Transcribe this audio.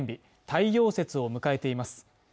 太陽節を迎えています